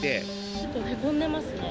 ちょっとへこんでますね。